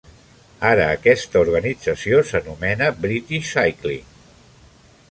Ara aquesta organització s'anomena British Cycling.